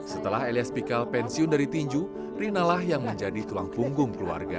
setelah elias pikal pensiun dari tinju rina lah yang menjadi tulang punggung keluarga